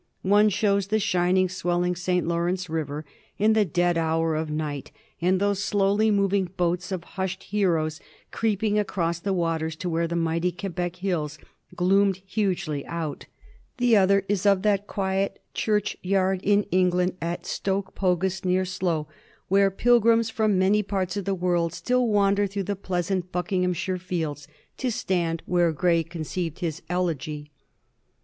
One shows the shining, swelling St. Lawrence River and the dead hour of night, and those slowly moving boats of hushed heroes creeping across the waters to where the mighty Quebec hills gloomed hugely out The other is of that quiet church yard in England, 4t Stoke Pogis, near Slough, where pilgrims from many parts of the world still wander through the pleasant Buckinghamshire fields to stand where Gray conceived his Elegy.